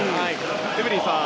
エブリンさん